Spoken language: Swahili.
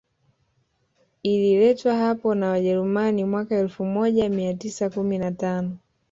Ililetwa hapo na Wajerumani mwaka elfu moja mia tisa kumi na tano